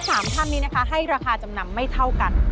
สามท่านนี้นะคะให้ราคาจำนำไม่เท่ากัน